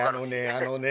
あのね